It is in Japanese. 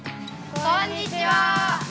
こんにちは！